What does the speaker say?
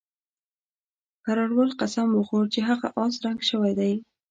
کراول قسم وخوړ چې هغه اس رنګ شوی دی.